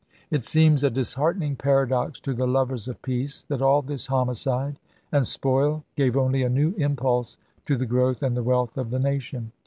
It seems a disheartening paradox to the lovers of peace that all this homicide and spoil gave only a new impulse to the growth and the wealth of the nation.